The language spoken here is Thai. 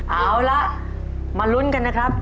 เอาละมาลุ้นกันนะครับ